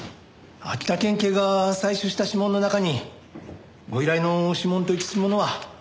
秋田県警が採取した指紋の中にご依頼の指紋と一致するものはありませんでした。